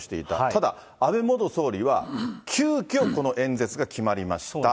ただ、安倍元総理は、急きょ、この演説が決まりました。